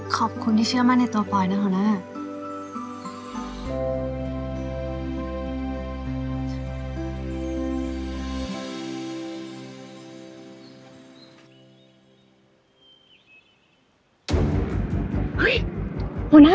ขอบคุณที่เชื่อมั่นในตัวปลอยนะหัวหน้า